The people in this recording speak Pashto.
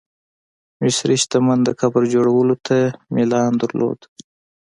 مصري شتمن د قبر جوړولو ته میلان درلود.